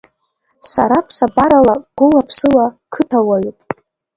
Сара ԥсабарала, гәыла-ԥсыла қыҭауаҩуп.